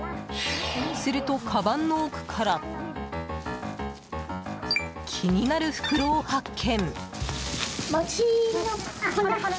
すると、かばんの奥から気になる袋を発見。